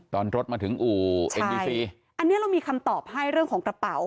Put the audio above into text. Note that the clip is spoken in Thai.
ตอนรถมาถึงอู่เอ็นบีซีอันนี้เรามีคำตอบให้เรื่องของกระเป๋า